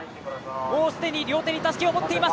もう既に両手にたすきを持っています。